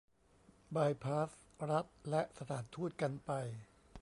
บายพาสรัฐและสถานทูตกันไป